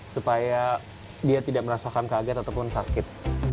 supaya dia tidak merasakan kaget ataupun sakit